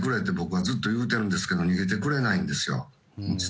逃げてくれって僕はずっと言うてるんですけど逃げてくれないんですよ。